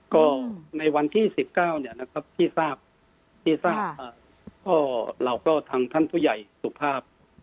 ก็ในวันที่๑๙ที่ทราบก็เราก็ทางท่านผู้ใหญ่สุภาพ